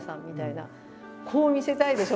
「こう見せたいでしょ？